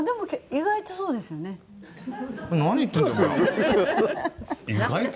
“意外とそうですよね”って」